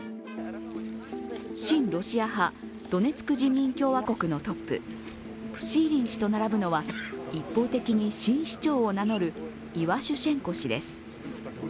親ロシア派、ドネツク人民共和国のトップ、プシーリン氏と並ぶのは一方的に新市長を名乗るイワシュシェンコ氏です。